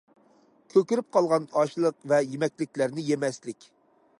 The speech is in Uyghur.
كۆكىرىپ قالغان ئاشلىق ۋە يېمەكلىكلەرنى يېمەسلىك.